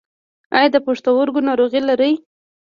ایا د پښتورګو ناروغي لرئ؟